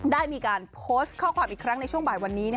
ได้มีการโพสต์ข้อความอีกครั้งในช่วงบ่ายวันนี้